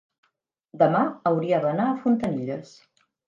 demà hauria d'anar a Fontanilles.